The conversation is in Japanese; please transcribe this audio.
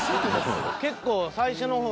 結構。